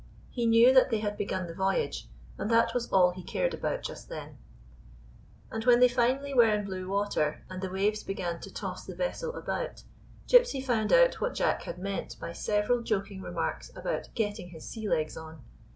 He knew that they had begun the voyage, and that was all he cared about just then. And when they finally were in blue water, and the waves began to toss the vessel about, Gypsy found out what Jack had meant by several joking remarks about " getting his sea legs on."